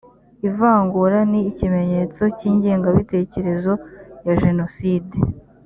ivangura ni ikimenyetso cy’ ingengabitekerezo ya jenoside